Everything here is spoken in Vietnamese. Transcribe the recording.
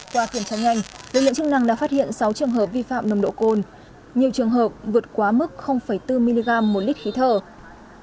qua kiểm tra nhanh lực lượng chức năng đã phát hiện sáu trường hợp vi phạm nồng độ cồn nhiều trường hợp vượt quá mức bốn mg một lít khí thở